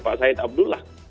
pak said abdullah